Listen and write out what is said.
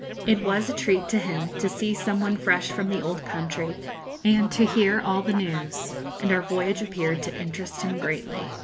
It was a treat to him to see some one fresh from the old country, and to hear all the news, and our voyage appeared to interest him greatly.